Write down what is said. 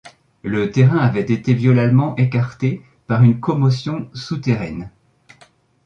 Le terrain avait été violemment écarté par une commotion souterraine.